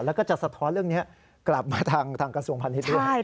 แล้วก็จะสะท้อนเรื่องนี้กลับมาทางกระทรวงพาณิชย์ด้วย